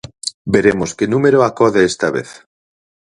Veremos que número acode esta vez.